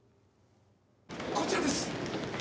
こちらです。